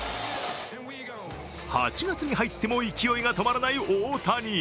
８月に入っても勢いが止まらない大谷。